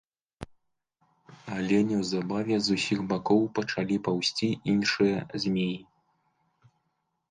Але неўзабаве з усіх бакоў пачалі паўзці іншыя змеі.